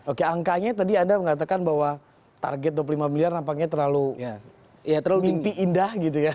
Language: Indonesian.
oke angkanya tadi anda mengatakan bahwa target dua puluh lima miliar nampaknya terlalu mimpi indah gitu ya